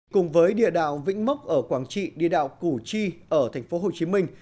cùng với địa đạo vĩnh mốc ở quảng trị địa đạo củ chi ở thành phố hồ chí minh